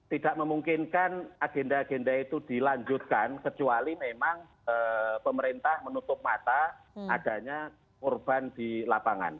tidak memungkinkan agenda agenda itu dilanjutkan kecuali memang pemerintah menutup mata adanya korban di lapangan